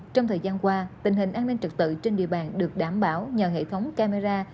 trong thời gian qua tình hình an ninh trực tự trên địa bàn được đảm bảo nhờ hệ thống camera